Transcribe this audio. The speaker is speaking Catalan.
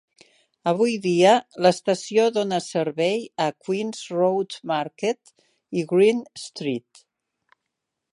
Avui dia, l'estació dona servei a Queens Road Market i Green Street.